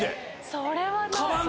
それはない。